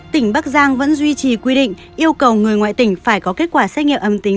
tỉnh bắc giang vẫn duy trì quy định yêu cầu người ngoại tỉnh phải có kết quả xét nghiệm âm tính